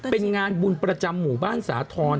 เป็นงานบุญประจำหมู่บ้านสาธรณ์